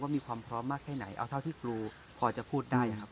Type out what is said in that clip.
มีความพร้อมมากแค่ไหนเอาเท่าที่ครูพอจะพูดได้นะครับ